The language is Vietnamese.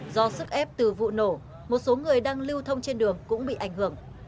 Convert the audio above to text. do sức ép từ vụ nổ một số người đang lưu thông trên đường cũng bị ảnh hưởng